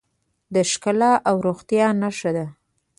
د ښکلا او روغتیا نښه ده.